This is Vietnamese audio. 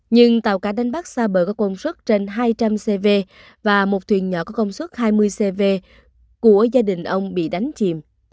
nhưng tàu cá đánh bắt xa bờ có công suất trên hai trăm linh cv và một thuyền nhỏ có công suất hai mươi cv của gia đình ông bị đánh chìm